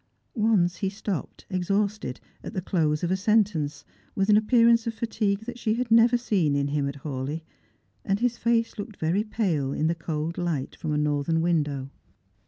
Once he stopped, exhausted, at the close of a sentence with an appearance of fatigue that she had never seen in hiiu at Hawleigh, and his face looked very pale in the cold light from a northern window.